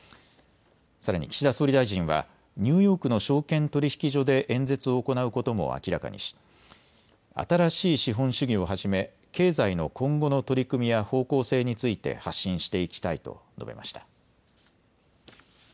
さらに岸田総理大臣はニューヨークの証券取引所で演説を行うことも明らかにし新しい資本主義をはじめ経済の今後の取り組みや方向性について発信していきたいと述べました。